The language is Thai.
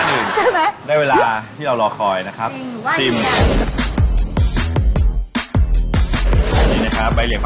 มีเลือกมีเลือกกับที่ร้านอื่น